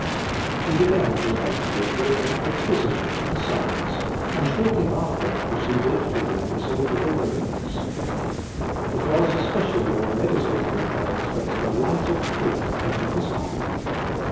He began his lectures with an exposition of the Psalms, and shortly after proceeded to the Epistle to the Romans. It was especially when meditating upon it that the light of truth entered his heart.